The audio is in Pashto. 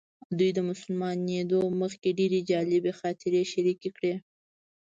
دوی د مسلمانېدو مخکې ډېرې جالبې خاطرې شریکې کړې.